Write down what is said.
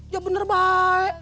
ya bener baik